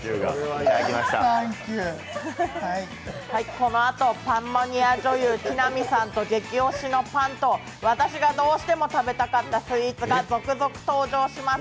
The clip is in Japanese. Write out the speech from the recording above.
このあとパンマニア女優・木南さんの激推しのパンと私がどうしても食べたかったスイーツが続々登場します。